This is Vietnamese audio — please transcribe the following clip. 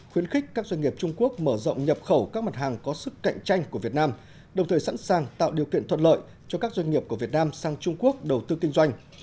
khuyến khích các doanh nghiệp trung quốc mở rộng nhập khẩu các mặt hàng có sức cạnh tranh của việt nam đồng thời sẵn sàng tạo điều kiện thuận lợi cho các doanh nghiệp của việt nam sang trung quốc đầu tư kinh doanh